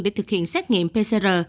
để thực hiện xét nghiệm pcr